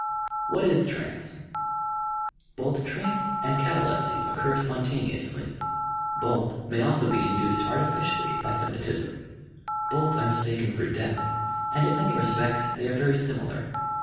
WHAT IS "trance"! Both Trance and Catalepsy occur spontaneously; both may also be induced artificially by hypnotism. Both are mistaken for death, and in many respects they are very similar.